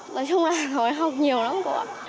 nói chung là học nhiều lắm cô ạ